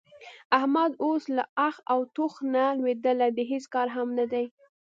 احمد اوس له اخ او ټوخ نه لوېدلی د هېڅ کار هم نه دی.